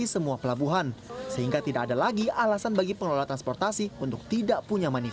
sebuah kapal feri datang menyelamatkannya